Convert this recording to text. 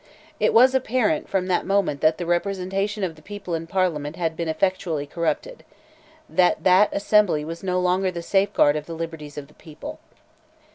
It was apparent from that moment that the representation of the people in Parliament had been effectually corrupted; that that assembly was no longer the safeguard of the liberties of the people.